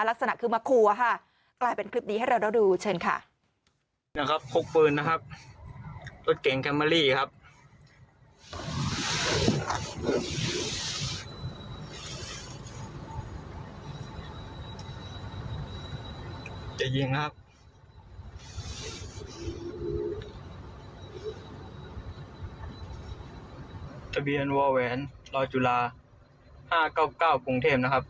ลักษณะคือมาคัวค่ะกลายเป็นคลิปนี้ให้เราได้ดูเชิญค่ะ